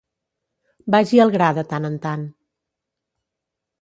Vagi al gra de tant en tant.